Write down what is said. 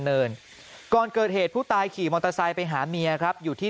เนินก่อนเกิดเหตุผู้ตายขี่มอเตอร์ไซค์ไปหาเมียครับอยู่ที่